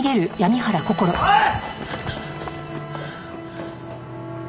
おい！